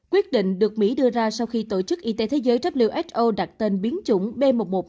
quyết định được mỹ đưa ra sau khi tổ chức y tế thế giới who đặt tên biến trụng b một một năm trăm hai mươi chín